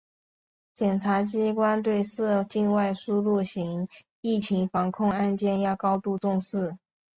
检察机关对涉境外输入型疫情防控案件要高度重视